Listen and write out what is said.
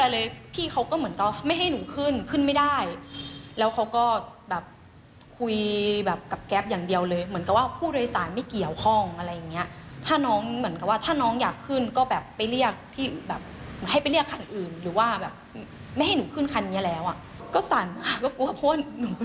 แล้วก็แบบวินประมาณ๑๐กว่าคนนะคะพี่ที่พูดอยู่